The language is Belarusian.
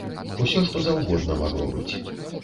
Усё, што заўгодна магло быць.